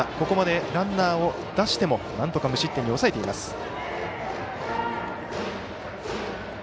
ここまでランナーを出してもなんとか無失点に抑えています。